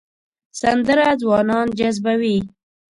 سندره ځوانان جذبوي